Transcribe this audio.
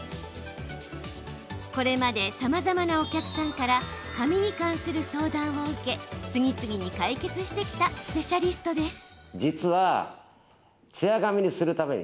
これまでさまざまなお客さんから髪に関する相談を受け次々に解決してきたスペシャリストです。